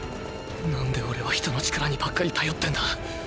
なんでオレは人の力にばっかり頼ってんだ。